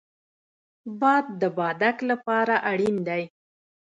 باد د بادک لپاره اړین دی